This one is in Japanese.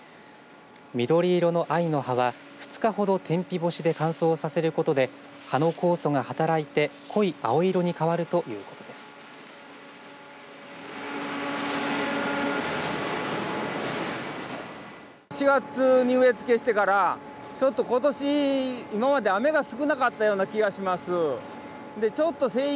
緑色の藍の葉は、２日ほど天日干しで乾燥させることで葉の酵素が働いて濃い青色に変わるということです。